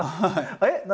あれ？